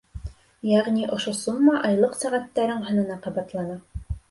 Йәғни ошо сумма айлыҡ сәғәттәрең һанына ҡабатлана.